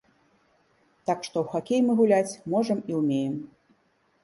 Так што ў хакей мы гуляць можам і ўмеем.